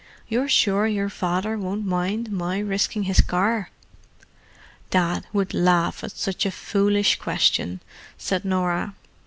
"You're sure your father won't mind my risking his car?" "Dad would laugh at such a foolish question," said Norah.